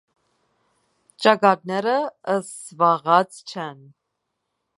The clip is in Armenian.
Ճակատները սվաղած չեն։